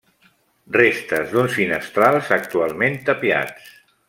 Restes d'uns finestrals actualment tapiats.